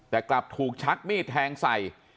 แต่กลับถูกชักมีดแทงใส่